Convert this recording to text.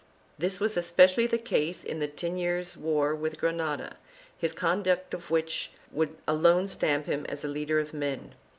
This was especially the case in the ten years' war with Granada, his conduct of which would alone stamp him as a leader of men.